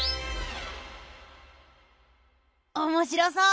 おもしろそう。